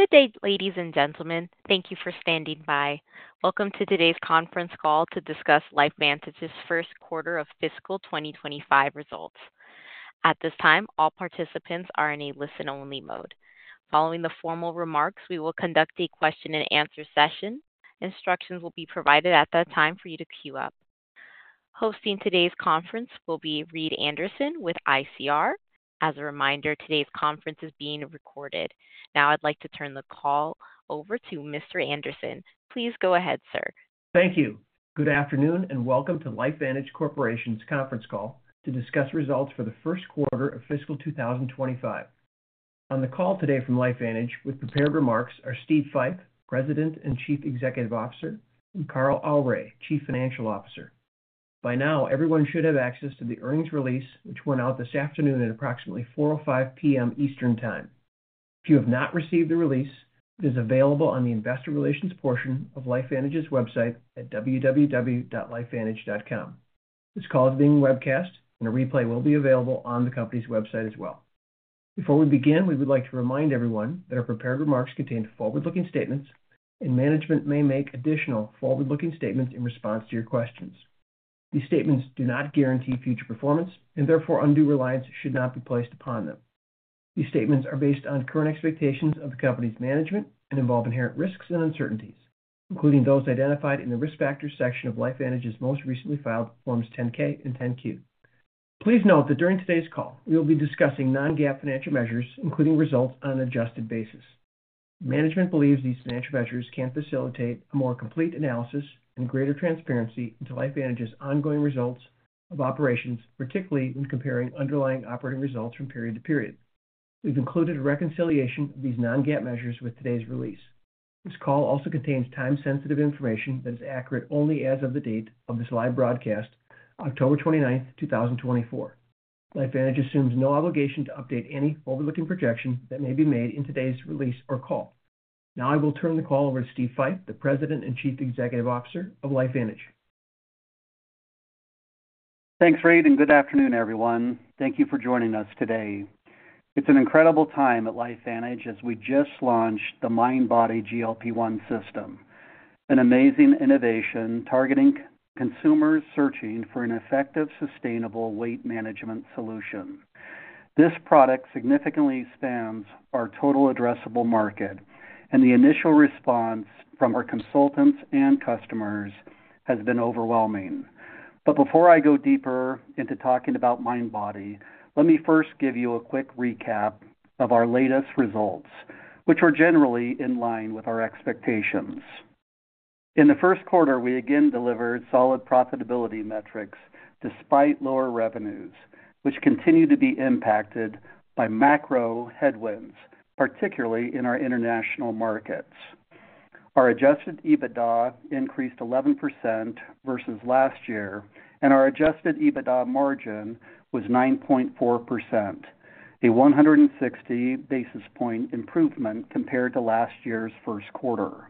Good day, ladies and gentlemen. Thank you for standing by. Welcome to today's conference call to discuss LifeVantage's First Quarter of Fiscal 2025 Results. At this time, all participants are in a listen-only mode. Following the formal remarks, we will conduct a question-and-answer session. Instructions will be provided at that time for you to queue up. Hosting today's conference will be Reed Anderson with ICR. As a reminder, today's conference is being recorded. Now, I'd like to turn the call over to Mr. Anderson. Please go ahead, sir. Thank you. Good afternoon and welcome to LifeVantage Corporation's conference call to discuss results for the first quarter of fiscal 2025. On the call today from LifeVantage with prepared remarks are Steve Fife, President and Chief Executive Officer, and Carl Aure, Chief Financial Officer. By now, everyone should have access to the earnings release, which went out this afternoon at approximately 4:05 P.M. Eastern Time. If you have not received the release, it is available on the investor relations portion of LifeVantage's website at www.lifevantage.com. This call is being webcast, and a replay will be available on the company's website as well. Before we begin, we would like to remind everyone that our prepared remarks contain forward-looking statements, and management may make additional forward-looking statements in response to your questions. These statements do not guarantee future performance, and therefore, undue reliance should not be placed upon them. These statements are based on current expectations of the company's management and involve inherent risks and uncertainties, including those identified in the risk factors section of LifeVantage's most recently filed Forms 10-K and 10-Q. Please note that during today's call, we will be discussing non-GAAP financial measures, including results on an adjusted basis. Management believes these financial measures can facilitate a more complete analysis and greater transparency into LifeVantage's ongoing results of operations, particularly when comparing underlying operating results from period to period. We've included a reconciliation of these non-GAAP measures with today's release. This call also contains time-sensitive information that is accurate only as of the date of this live broadcast, October 29th, 2024. LifeVantage assumes no obligation to update any forward-looking projection that may be made in today's release or call. Now, I will turn the call over to Steve Fife, the President and Chief Executive Officer of LifeVantage. Thanks, Reed, and good afternoon, everyone. Thank you for joining us today. It's an incredible time at LifeVantage as we just launched the MindBody GLP-1 System, an amazing innovation targeting consumers searching for an effective, sustainable weight management solution. This product significantly spans our total addressable market, and the initial response from our consultants and customers has been overwhelming. But before I go deeper into talking about MindBody, let me first give you a quick recap of our latest results, which are generally in line with our expectations. In the first quarter, we again delivered solid profitability metrics despite lower revenues, which continue to be impacted by macro headwinds, particularly in our international markets. Our adjusted EBITDA increased 11% versus last year, and our adjusted EBITDA margin was 9.4%, a 160 basis point improvement compared to last year's first quarter.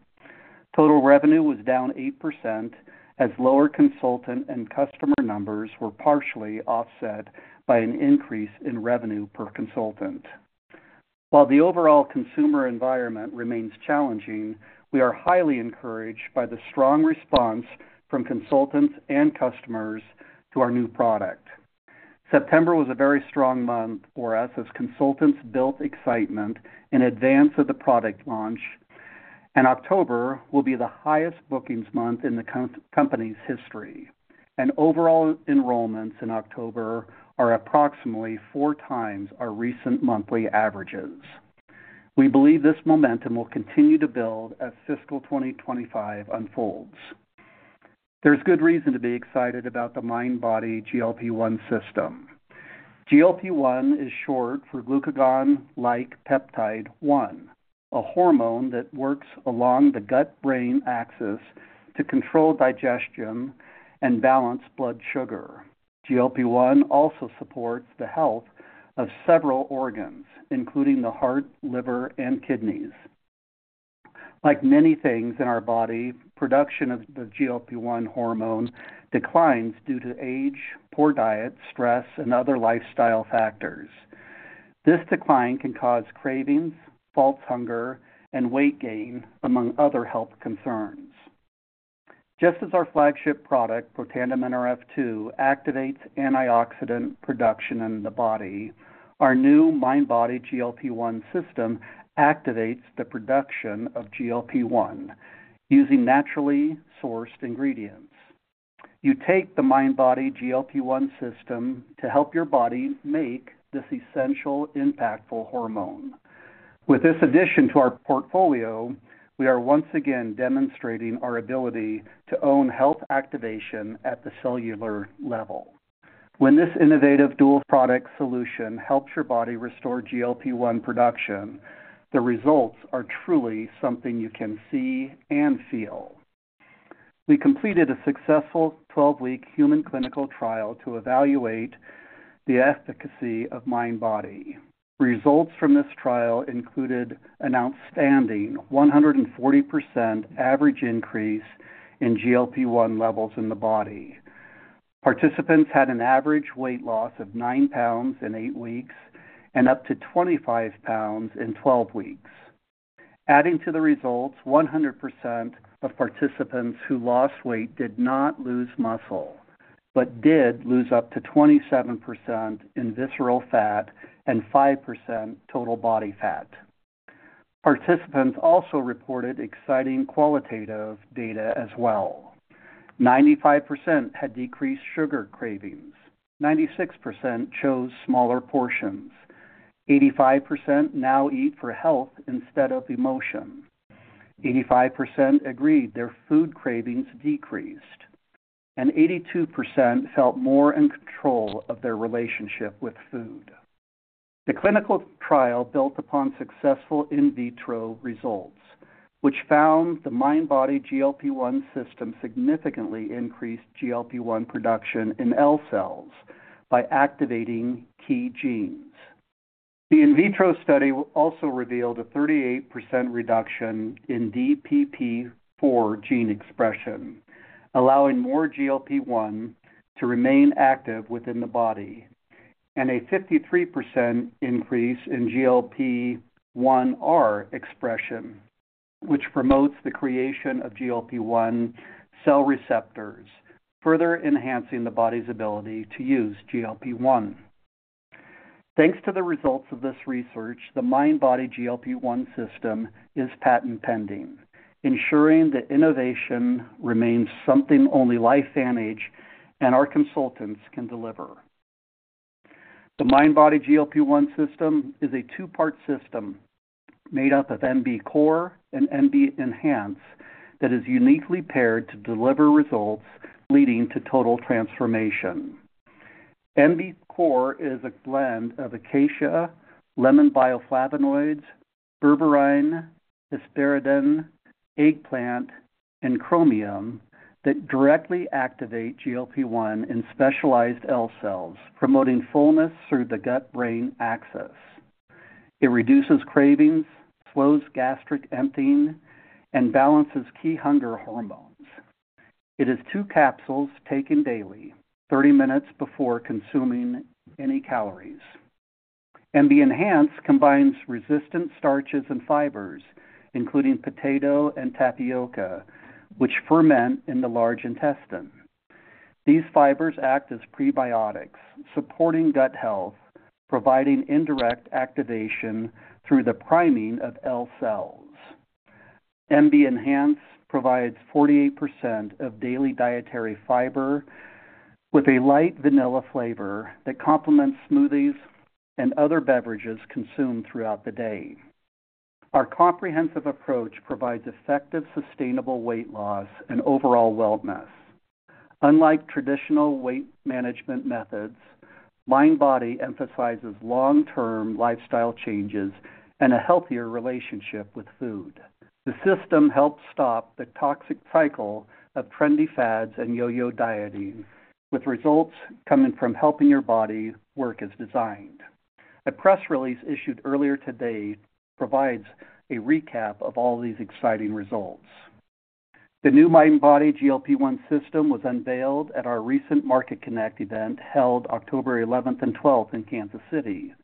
Total revenue was down 8% as lower consultant and customer numbers were partially offset by an increase in revenue per consultant. While the overall consumer environment remains challenging, we are highly encouraged by the strong response from consultants and customers to our new product. September was a very strong month for us as consultants built excitement in advance of the product launch, and October will be the highest bookings month in the company's history, and overall enrollments in October are approximately four times our recent monthly averages. We believe this momentum will continue to build as fiscal 2025 unfolds. There's good reason to be excited about the MindBody GLP-1 System. GLP-1 is short for glucagon-like peptide-1, a hormone that works along the gut-brain axis to control digestion and balance blood sugar. GLP-1 also supports the health of several organs, including the heart, liver, and kidneys. Like many things in our body, production of the GLP-1 hormone declines due to age, poor diet, stress, and other lifestyle factors. This decline can cause cravings, false hunger, and weight gain, among other health concerns. Just as our flagship product, Protandim Nrf2, activates antioxidant production in the body, our new MindBody GLP-1 System activates the production of GLP-1 using naturally sourced ingredients. You take the MindBody GLP-1 System to help your body make this essential, impactful hormone. With this addition to our portfolio, we are once again demonstrating our ability to own health activation at the cellular level. When this innovative dual-product solution helps your body restore GLP-1 production, the results are truly something you can see and feel. We completed a successful 12-week human clinical trial to evaluate the efficacy of MindBody. Results from this trial included an outstanding 140% average increase in GLP-1 levels in the body. Participants had an average weight loss of nine pounds in eight weeks and up to 25 pounds in 12 weeks. Adding to the results, 100% of participants who lost weight did not lose muscle but did lose up to 27% in visceral fat and 5% total body fat. Participants also reported exciting qualitative data as well. 95% had decreased sugar cravings. 96% chose smaller portions. 85% now eat for health instead of emotion. 85% agreed their food cravings decreased, and 82% felt more in control of their relationship with food. The clinical trial built upon successful in vitro results, which found the MindBody GLP-1 System significantly increased GLP-1 production in L cells by activating key genes. The in vitro study also revealed a 38% reduction in DPP-4 gene expression, allowing more GLP-1 to remain active within the body, and a 53% increase in GLP-1R expression, which promotes the creation of GLP-1 cell receptors, further enhancing the body's ability to use GLP-1. Thanks to the results of this research, the MindBody GLP-1 System is patent pending, ensuring that innovation remains something only LifeVantage and our consultants can deliver. The MindBody GLP-1 System is a two-part system made up of MB Core and MB Enhance that is uniquely paired to deliver results leading to total transformation. MB Core is a blend of Acacia, lemon bioflavonoids, berberine, hesperidin, eggplant, and chromium that directly activate GLP-1 in specialized L cells, promoting fullness through the gut-brain axis. It reduces cravings, slows gastric emptying, and balances key hunger hormones. It is two capsules taken daily, 30 minutes before consuming any calories. MB Enhance combines resistant starches and fibers, including potato and tapioca, which ferment in the large intestine. These fibers act as prebiotics, supporting gut health, providing indirect activation through the priming of L cells. MB Enhance provides 48% of daily dietary fiber with a light vanilla flavor that complements smoothies and other beverages consumed throughout the day. Our comprehensive approach provides effective, sustainable weight loss and overall wellness. Unlike traditional weight management methods, MindBody emphasizes long-term lifestyle changes and a healthier relationship with food. The system helps stop the toxic cycle of trendy fads and yo-yo dieting, with results coming from helping your body work as designed. A press release issued earlier today provides a recap of all these exciting results. The new MindBody GLP-1 System was unveiled at our recent Market Connect event held October 11th and 12th in Kansas City.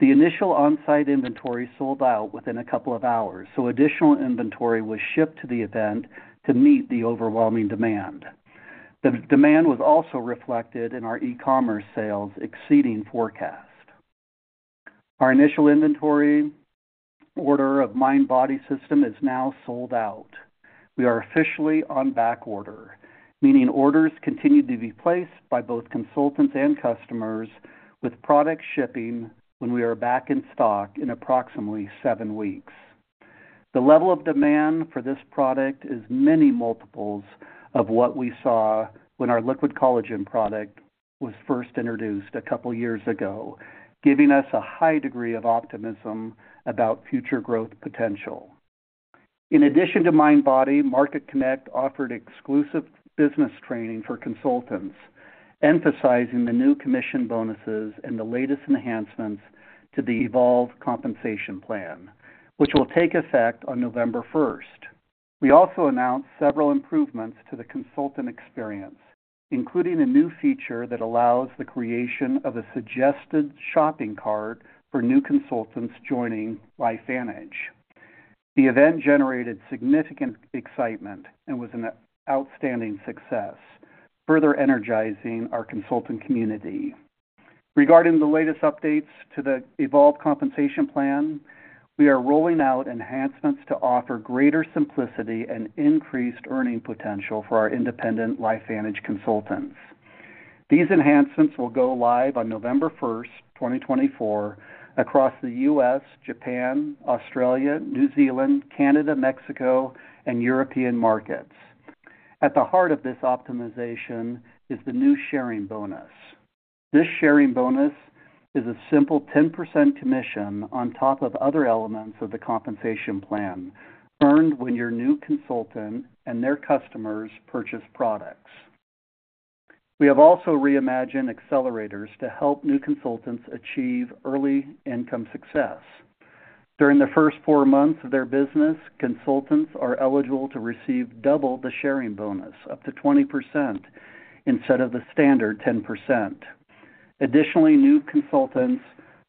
The initial on-site inventory sold out within a couple of hours, so additional inventory was shipped to the event to meet the overwhelming demand. The demand was also reflected in our e-commerce sales exceeding forecast. Our initial inventory order of MindBody system is now sold out. We are officially on back order, meaning orders continue to be placed by both consultants and customers with product shipping when we are back in stock in approximately seven weeks. The level of demand for this product is many multiples of what we saw when our Liquid Collagen product was first introduced a couple of years ago, giving us a high degree of optimism about future growth potential. In addition to MindBody, Market Connect offered exclusive business training for consultants, emphasizing the new commission bonuses and the latest enhancements to the Evolve Compensation Plan, which will take effect on November 1st. We also announced several improvements to the consultant experience, including a new feature that allows the creation of a suggested shopping cart for new consultants joining LifeVantage. The event generated significant excitement and was an outstanding success, further energizing our consultant community. Regarding the latest updates to the Evolve Compensation Plan, we are rolling out enhancements to offer greater simplicity and increased earning potential for our independent LifeVantage consultants. These enhancements will go live on November 1st, 2024, across the U.S., Japan, Australia, New Zealand, Canada, Mexico, and European markets. At the heart of this optimization is the new sharing bonus. This sharing bonus is a simple 10% commission on top of other elements of the compensation plan earned when your new consultant and their customers purchase products. We have also reimagined accelerators to help new consultants achieve early income success. During the first four months of their business, consultants are eligible to receive double the sharing bonus, up to 20%, instead of the standard 10%. Additionally, new consultants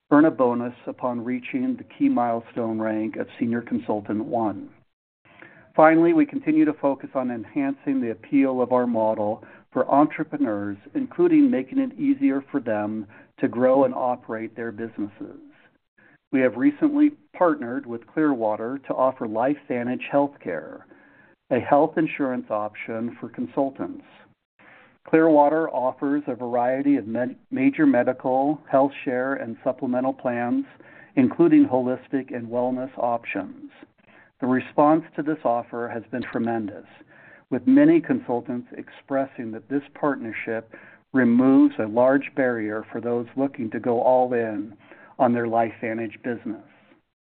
earn a bonus upon reaching the key milestone rank of Senior Consultant 1. Finally, we continue to focus on enhancing the appeal of our model for entrepreneurs, including making it easier for them to grow and operate their businesses. We have recently partnered with Clearwater to offer LifeVantage Healthcare, a health insurance option for consultants. Clearwater offers a variety of major medical, health share, and supplemental plans, including holistic and wellness options. The response to this offer has been tremendous, with many consultants expressing that this partnership removes a large barrier for those looking to go all in on their LifeVantage business.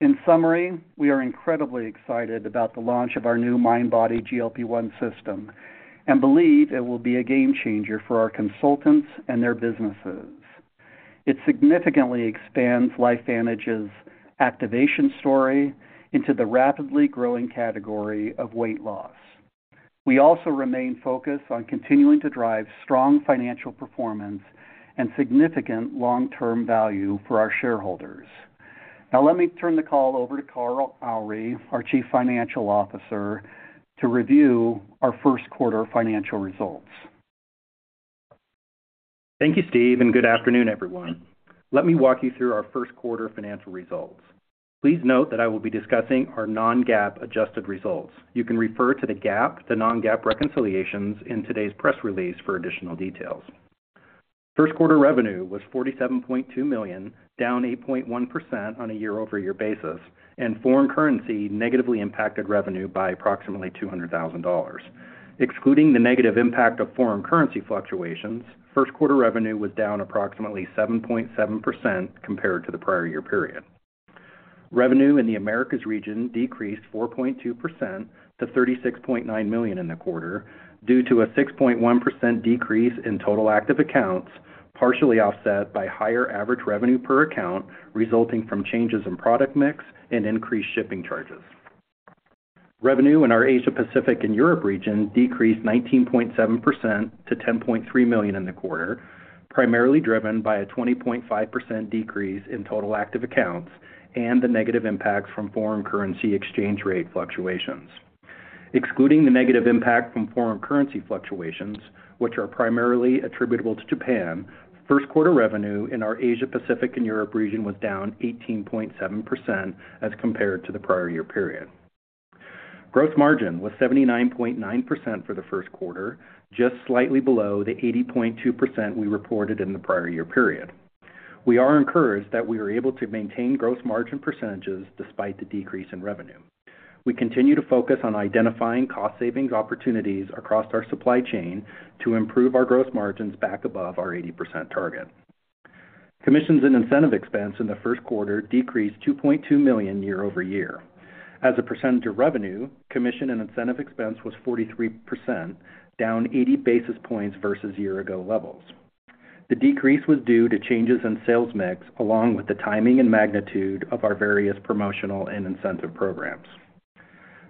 In summary, we are incredibly excited about the launch of our new MindBody GLP-1 System and believe it will be a game changer for our consultants and their businesses. It significantly expands LifeVantage's activation story into the rapidly growing category of weight loss. We also remain focused on continuing to drive strong financial performance and significant long-term value for our shareholders. Now, let me turn the call over to Carl Aure, our Chief Financial Officer, to review our first quarter financial results. Thank you, Steve, and good afternoon, everyone. Let me walk you through our first quarter financial results. Please note that I will be discussing our non-GAAP adjusted results. You can refer to the GAAP to non-GAAP reconciliations in today's press release for additional details. First quarter revenue was $47.2 million, down 8.1% on a year-over-year basis, and foreign currency negatively impacted revenue by approximately $200,000. Excluding the negative impact of foreign currency fluctuations, first quarter revenue was down approximately 7.7% compared to the prior year period. Revenue in the Americas region decreased 4.2% to $36.9 million in the quarter due to a 6.1% decrease in total active accounts, partially offset by higher average revenue per account resulting from changes in product mix and increased shipping charges. Revenue in our Asia-Pacific and Europe region decreased 19.7% to $10.3 million in the quarter, primarily driven by a 20.5% decrease in total active accounts and the negative impacts from foreign currency exchange rate fluctuations. Excluding the negative impact from foreign currency fluctuations, which are primarily attributable to Japan, first quarter revenue in our Asia-Pacific and Europe region was down 18.7% as compared to the prior year period. Gross margin was 79.9% for the first quarter, just slightly below the 80.2% we reported in the prior year period. We are encouraged that we are able to maintain gross margin percentages despite the decrease in revenue. We continue to focus on identifying cost-savings opportunities across our supply chain to improve our gross margins back above our 80% target. Commissions and incentive expense in the first quarter decreased $2.2 million year-over-year. As a percentage of revenue, commission and incentive expense was 43%, down 80 basis points versus year-ago levels. The decrease was due to changes in sales mix along with the timing and magnitude of our various promotional and incentive programs.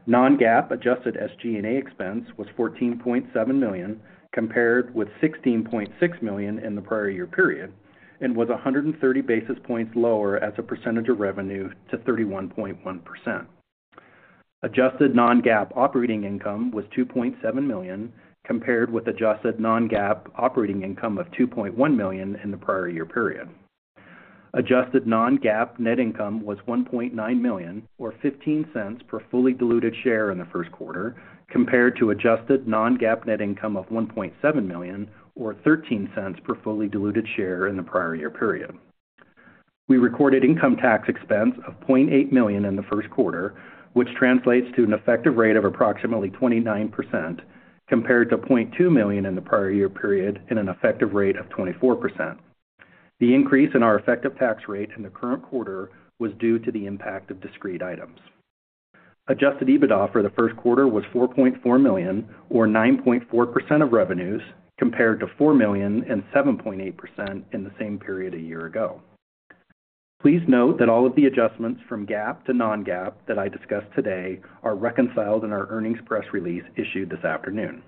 Non-GAAP adjusted SG&A expense was $14.7 million compared with $16.6 million in the prior year period and was 130 basis points lower as a percentage of revenue to 31.1%. Adjusted non-GAAP operating income was $2.7 million compared with adjusted non-GAAP operating income of $2.1 million in the prior year period. Adjusted non-GAAP net income was $1.9 million, or $0.15 per fully diluted share in the first quarter, compared to adjusted non-GAAP net income of $1.7 million, or $0.13 per fully diluted share in the prior year period. We recorded income tax expense of $0.8 million in the first quarter, which translates to an effective rate of approximately 29% compared to $0.2 million in the prior year period and an effective rate of 24%. The increase in our effective tax rate in the current quarter was due to the impact of discrete items. Adjusted EBITDA for the first quarter was $4.4 million, or 9.4% of revenues, compared to $4 million and 7.8% in the same period a year ago. Please note that all of the adjustments from GAAP to non-GAAP that I discussed today are reconciled in our earnings press release issued this afternoon.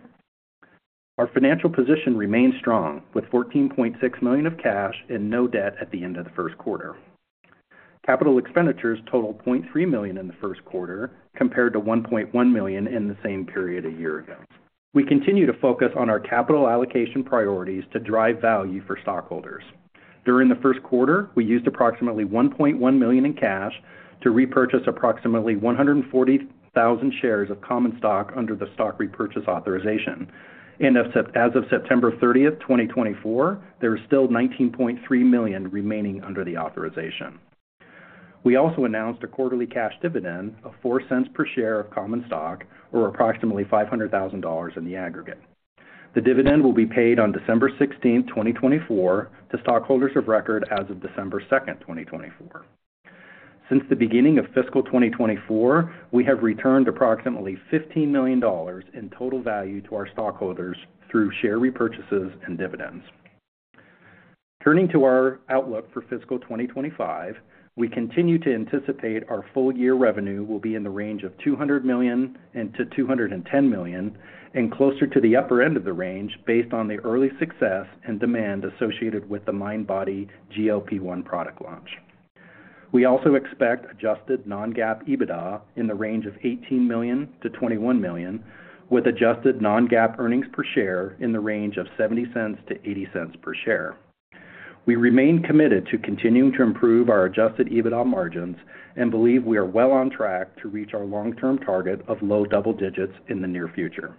Our financial position remains strong with $14.6 million of cash and no debt at the end of the first quarter. Capital expenditures totaled $0.3 million in the first quarter compared to $1.1 million in the same period a year ago. We continue to focus on our capital allocation priorities to drive value for stockholders. During the first quarter, we used approximately $1.1 million in cash to repurchase approximately 140,000 shares of common stock under the stock repurchase authorization. As of September 30th, 2024, there is still $19.3 million remaining under the authorization. We also announced a quarterly cash dividend of $0.04 per share of common stock, or approximately $500,000 in the aggregate. The dividend will be paid on December 16th, 2024, to stockholders of record as of December 2nd, 2024. Since the beginning of fiscal 2024, we have returned approximately $15 million in total value to our stockholders through share repurchases and dividends. Turning to our outlook for fiscal 2025, we continue to anticipate our full-year revenue will be in the range of $200 million-$210 million and closer to the upper end of the range based on the early success and demand associated with the MindBody GLP-1 product launch. We also expect adjusted non-GAAP EBITDA in the range of $18 million-$21 million, with adjusted non-GAAP earnings per share in the range of $0.70-$0.80 per share. We remain committed to continuing to improve our adjusted EBITDA margins and believe we are well on track to reach our long-term target of low double digits in the near future.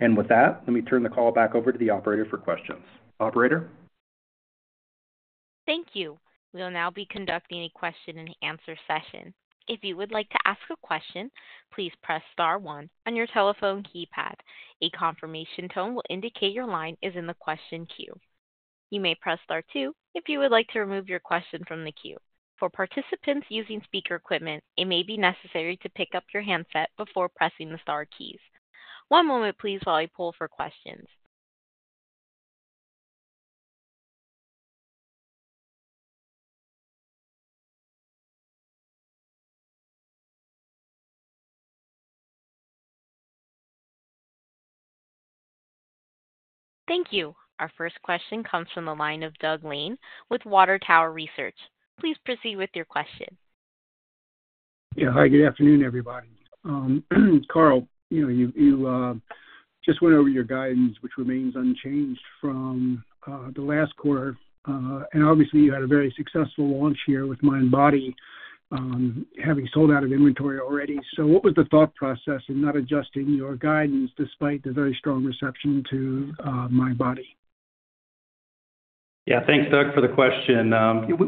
And with that, let me turn the call back over to the operator for questions. Operator? Thank you. We will now be conducting a question-and-answer session. If you would like to ask a question, please press star one on your telephone keypad. A confirmation tone will indicate your line is in the question queue. You may press star two if you would like to remove your question from the queue. For participants using speaker equipment, it may be necessary to pick up your handset before pressing the star keys. One moment, please, while I poll for questions. Thank you. Our first question comes from the line of Doug Lane with Water Tower Research. Please proceed with your question. Yeah. Hi, good afternoon, everybody. Carl, you just went over your guidance, which remains unchanged from the last quarter. And obviously, you had a very successful launch here with MindBody, having sold out of inventory already. So what was the thought process in not adjusting your guidance despite the very strong reception to MindBody? Yeah. Thanks, Doug, for the question.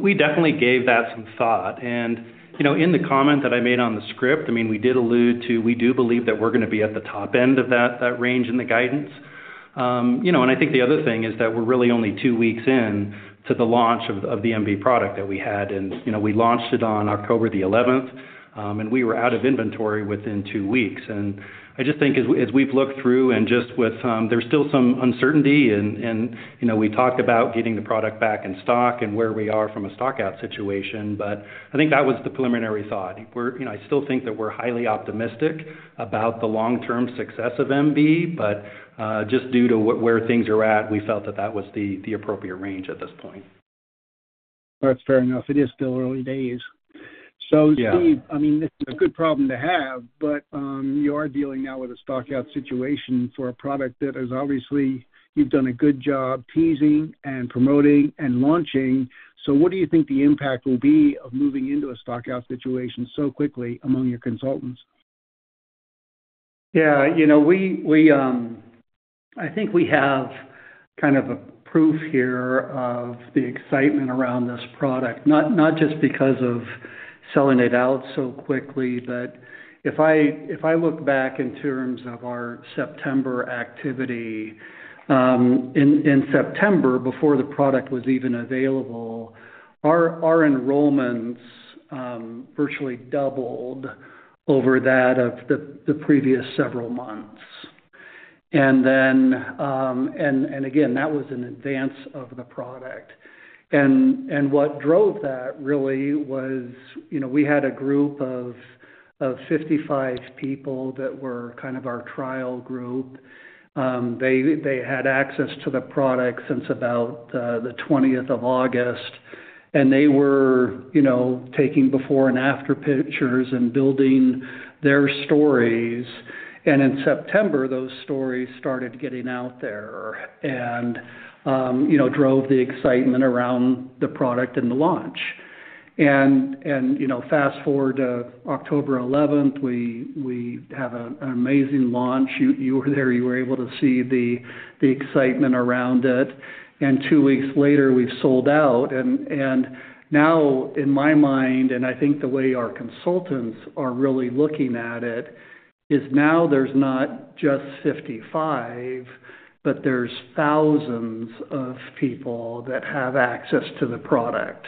We definitely gave that some thought. And in the comment that I made on the script, I mean, we did allude to we do believe that we're going to be at the top end of that range in the guidance. And I think the other thing is that we're really only two weeks into the launch of the MB product that we had. And we launched it on October the 11th, and we were out of inventory within two weeks. And I just think as we've looked through and just with there's still some uncertainty, and we talked about getting the product back in stock and where we are from a stockout situation, but I think that was the preliminary thought. I still think that we're highly optimistic about the long-term success of MB, but just due to where things are at, we felt that that was the appropriate range at this point. That's fair enough. It is still early days. So, Steve, I mean, this is a good problem to have, but you are dealing now with a stockout situation for a product that has obviously you've done a good job teasing and promoting and launching. So what do you think the impact will be of moving into a stockout situation so quickly among your consultants? Yeah. I think we have kind of a proof here of the excitement around this product, not just because of selling it out so quickly, but if I look back in terms of our September activity, in September, before the product was even available, our enrollments virtually doubled over that of the previous several months. And again, that was in advance of the product. And what drove that really was we had a group of 55 people that were kind of our trial group. They had access to the product since about the 20th of August, and they were taking before-and-after pictures and building their stories. And in September, those stories started getting out there and drove the excitement around the product and the launch. And fast forward to October 11th, we have an amazing launch. You were there. You were able to see the excitement around it. And two weeks later, we've sold out. And now, in my mind, and I think the way our consultants are really looking at it is now there's not just 55, but there's thousands of people that have access to the product.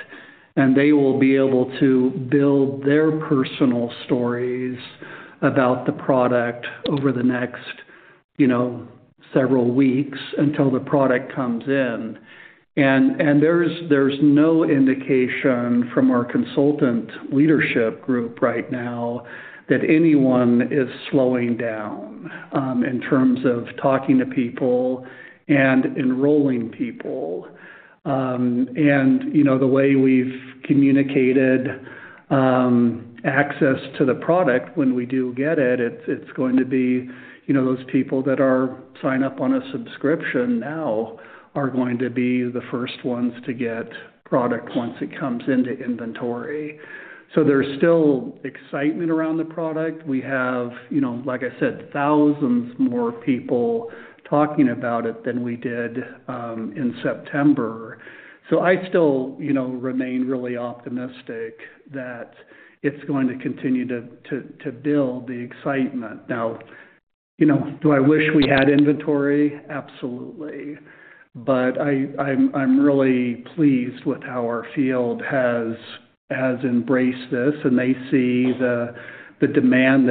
And they will be able to build their personal stories about the product over the next several weeks until the product comes in. And there's no indication from our consultant leadership group right now that anyone is slowing down in terms of talking to people and enrolling people. And the way we've communicated access to the product when we do get it, it's going to be those people that sign up on a subscription now are going to be the first ones to get product once it comes into inventory. So there's still excitement around the product. We have, like I said, thousands more people talking about it than we did in September. So I still remain really optimistic that it's going to continue to build the excitement. Now, do I wish we had inventory? Absolutely. But I'm really pleased with how our field has embraced this, and they see the demand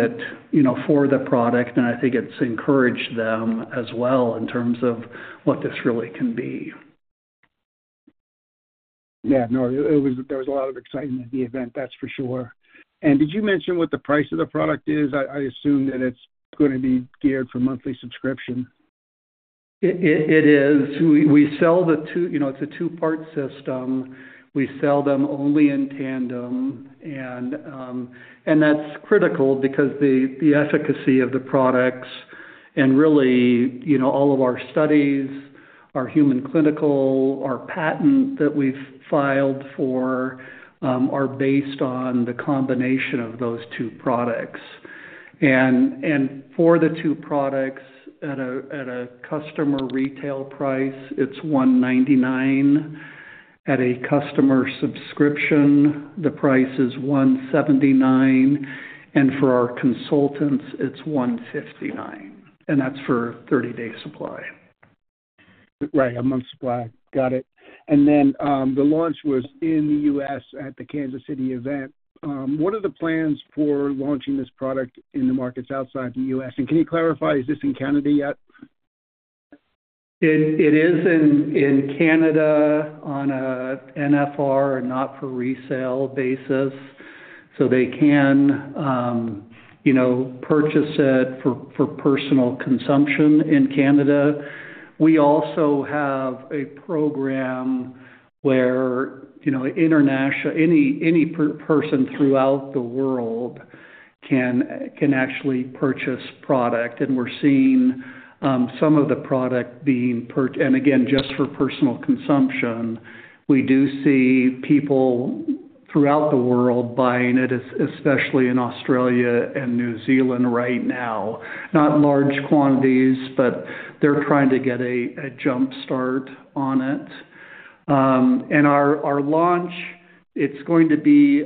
for the product, and I think it's encouraged them as well in terms of what this really can be. Yeah. No, there was a lot of excitement at the event, that's for sure. And did you mention what the price of the product is? I assume that it's going to be geared for monthly subscription. It is. We sell the two. It's a two-part system. We sell them only in tandem. That's critical because the efficacy of the products and really all of our studies, our human clinical, our patent that we've filed for are based on the combination of those two products. For the two products, at a customer retail price, it's $199. At a customer subscription, the price is $179. For our consultants, it's $159. That's for a 30-day supply. Right. A month's supply. Got it. The launch was in the U.S. at the Kansas City event. What are the plans for launching this product in the markets outside the U.S.? Can you clarify, is this in Canada yet? It is in Canada on an NFR, not-for-resale basis. So they can purchase it for personal consumption in Canada. We also have a program where any person throughout the world can actually purchase product. We're seeing some of the product being purchased. Again, just for personal consumption, we do see people throughout the world buying it, especially in Australia and New Zealand right now. Not large quantities, but they're trying to get a jumpstart on it. Our launch, it's going to be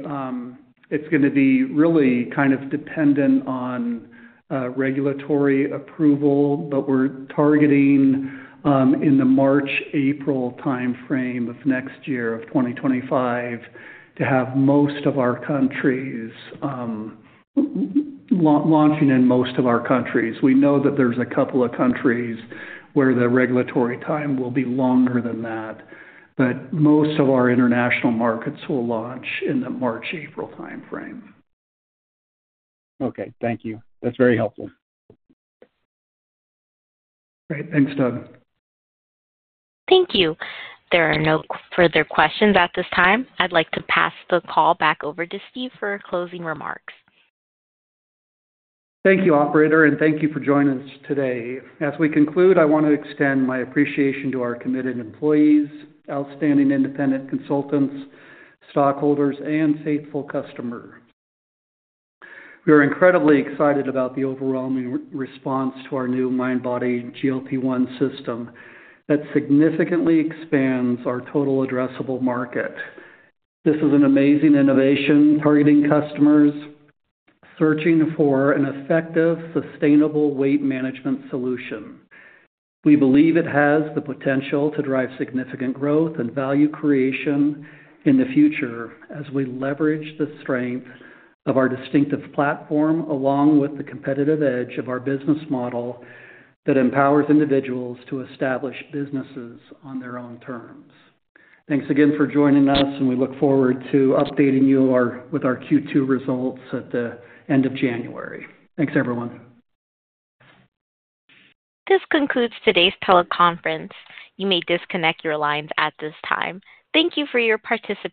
really kind of dependent on regulatory approval, but we're targeting in the March-April timeframe of next year, of 2025, to have most of our countries launching in most of our countries. We know that there's a couple of countries where the regulatory time will be longer than that, but most of our international markets will launch in the March-April timeframe. Okay. Thank you. That's very helpful. Great. Thanks, Doug. Thank you. There are no further questions at this time. I'd like to pass the call back over to Steve for closing remarks. Thank you, operator, and thank you for joining us today. As we conclude, I want to extend my appreciation to our committed employees, outstanding independent consultants, stockholders, and faithful customers. We are incredibly excited about the overwhelming response to our new MindBody GLP-1 System that significantly expands our total addressable market. This is an amazing innovation targeting customers searching for an effective, sustainable weight management solution. We believe it has the potential to drive significant growth and value creation in the future as we leverage the strength of our distinctive platform along with the competitive edge of our business model that empowers individuals to establish businesses on their own terms. Thanks again for joining us, and we look forward to updating you with our Q2 results at the end of January. Thanks, everyone. This concludes today's teleconference. You may disconnect your lines at this time. Thank you for your participation.